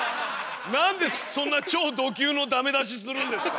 なんでそんな超ド級のダメ出しするんですか。